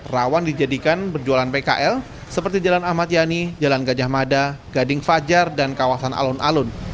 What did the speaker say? rawan dijadikan berjualan pkl seperti jalan ahmad yani jalan gajah mada gading fajar dan kawasan alun alun